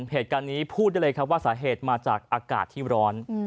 เหตุการณ์นี้พูดได้เลยครับว่าสาเหตุมาจากอากาศที่ร้อน